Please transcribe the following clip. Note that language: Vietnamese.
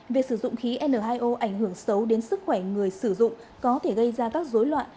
việc sử dụng khí n hai o ảnh hưởng xấu đến sức khỏe người sử dụng có thể gây ra các dối loạn